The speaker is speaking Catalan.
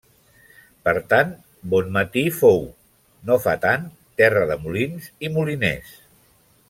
Per tant, Bonmatí fou, no fa tant, terra de molins i moliners.